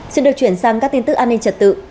xin được chuyển sang các tin tức an ninh trật tự